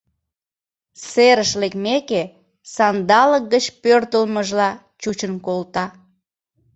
Серыш лекмеке, сандалык гыч пӧртылмыжла чучын колта.